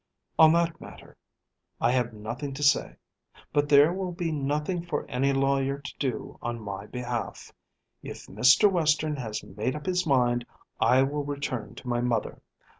On that matter I have nothing to say. But there will be nothing for any lawyer to do on my behalf. If Mr. Western has made up his mind, I will return to my mother.